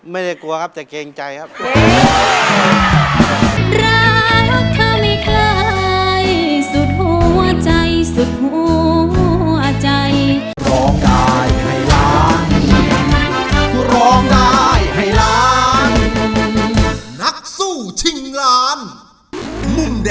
ไม่ได้กลัวครับแต่เกรงใจครับ